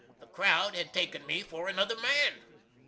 The crowd had taken me for another man!